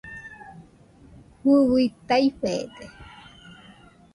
Fɨui taifede